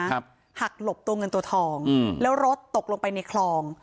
หักหลบตัวเงินตัวทองอืมแล้วรถตกลงไปในคลอง